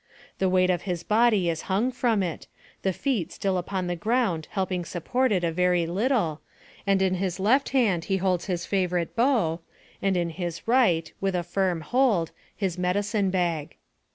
The weight of his body is hung from it, the feet still upon the ground helping support it a very little, and in his left hand he holds his favorite bow, and in his right, with a firm hold, his medicine bag.